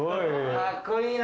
かっこいいな。